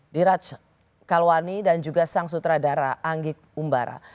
diraj kalwani dan juga sang sutradara anggik umbara